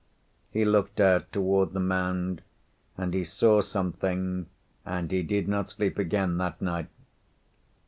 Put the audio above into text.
He looked out toward the mound, and he saw something, and he did not sleep again that night.